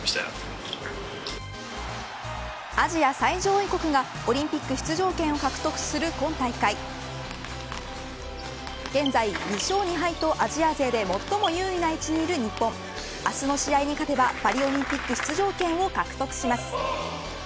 アジア最上位国がオリンピック出場権を獲得する今大会現在、２勝２敗とアジア勢で最も優位な位置にいる日本明日の試合に勝てばパリオリンピック出場権を獲得します。